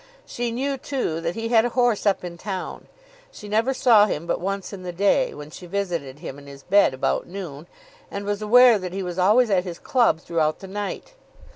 She knew, too, that he had a horse up in town. She never saw him but once in the day, when she visited him in his bed about noon, and was aware that he was always at his club throughout the night.